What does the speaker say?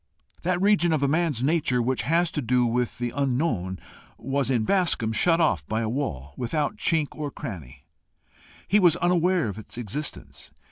That region of a man's nature which has to do with the unknown was in Bascombe shut off by a wall without chink or cranny; he was unaware of its existence.